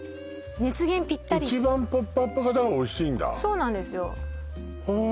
熱源ピッタリ一番ポップアップ型がおいしいんだそうなんですよああ